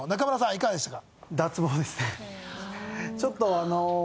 いかがでしたか？